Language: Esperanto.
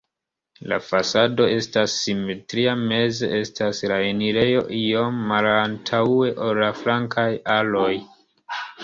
La fasado estas simetria, meze estas la enirejo iom malantaŭe, ol la flankaj aloj.